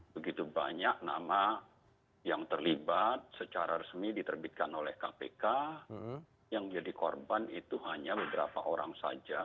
begitu banyak nama yang terlibat secara resmi diterbitkan oleh kpk yang jadi korban itu hanya beberapa orang saja